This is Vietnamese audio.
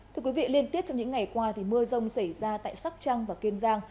thưa quý vị liên tiếp trong những ngày qua mưa rông xảy ra tại sắc trăng và kiên giang